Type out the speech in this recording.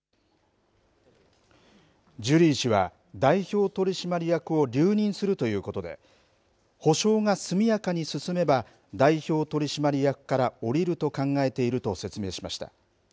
ジュリー氏は代表取締役を留任するということで補償が速やかに進めば代表取締役から降りると考えていると説明しました。